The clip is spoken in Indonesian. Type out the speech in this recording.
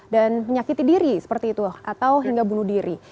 dan menyakiti diri seperti itu atau hingga bunuh diri